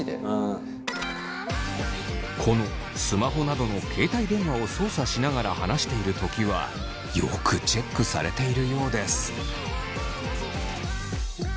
このスマホなどの携帯電話を操作しながら話しているときはよくチェックされているようです。